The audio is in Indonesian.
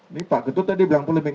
ini pak getut tadi bilang polemik